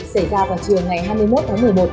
xảy ra vào chiều ngày hai mươi một tháng một mươi một